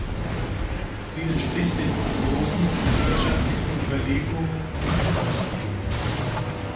Sie entspricht den Prognosen, wirtschaftlichen Überlegungen und dem Ausblick.